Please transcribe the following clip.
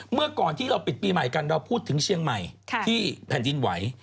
เมื่อก่อนที่เราปิดปีใหม่กันเราพูดถึงเชียงใหม่ที่แผ่นดินไหว